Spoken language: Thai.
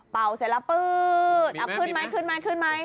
เป่าเสร็จแล้วปื๊ดขึ้นไหมขึ้นไหม